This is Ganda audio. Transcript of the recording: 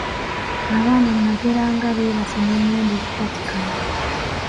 Abaana nageranga beebase ne ngenda okupatikana.